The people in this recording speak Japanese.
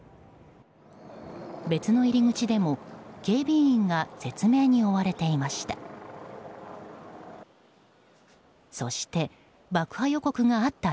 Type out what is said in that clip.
別の入り口でも警備員が説明に追われていました。